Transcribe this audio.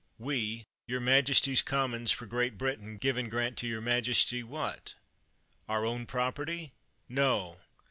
"We, your majesty's Commons for Great Brit ain, give and grant to your majesty' '— what? Our own property! No!